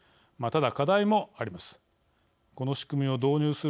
ただ、課題もあります。